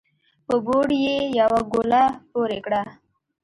په بوړ يې يوه ګوله پورې کړه